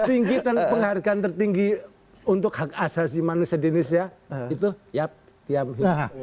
ingat penghargaan tertinggi untuk hak asasi manusia di indonesia itu yap tiap